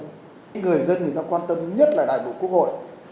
những người dân người ta quan tâm nhất là đại biểu quốc hội